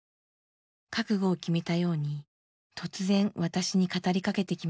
覚悟を決めたように突然私に語りかけてきました。